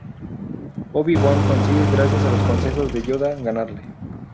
Obi-Wan consigue, gracias a los consejos de Yoda, ganarle.